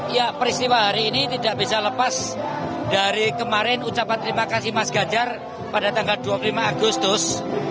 ya peristiwa hari ini tidak bisa lepas dari kemarin ucapan terima kasih mas ganjar pada tanggal dua puluh lima agustus